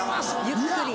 ゆっくり。